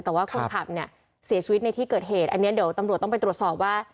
แต่ว่าคนขับเนี่ยเสียชีวิตในที่เกิดเหตุอันนี้เดี๋ยวตำรวจต้องไปตรวจสอบว่า